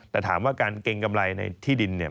แต่ถามว่าการเกรงกำไรในที่ดินเนี่ย